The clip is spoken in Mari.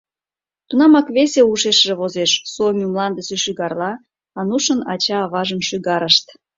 Тунамак весе ушешыже возеш: Суоми мландысе шӱгарла, Анушын ача-аважын шӱгарышт.